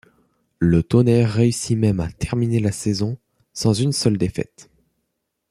Le Tonnerre réussit même à terminer la saison sans une seule défaite.